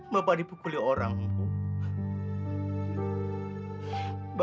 bapak dipukuli orang bu